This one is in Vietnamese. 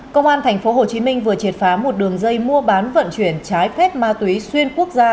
công an tp hcm vừa triệt phá một đường dây mua bán vận chuyển trái phép ma túy xuyên quốc gia